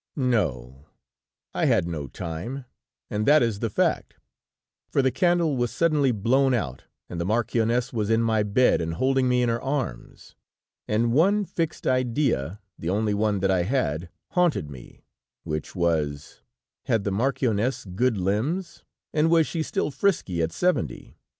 "No, I had no time, and that is the fact, for the candle was suddenly blown out and the marchioness was in my bed and holding me in her arms, and one fixed idea, the only one that I had, haunted me, which was: "'Had the marchioness good limbs, and was she still frisky at seventy?'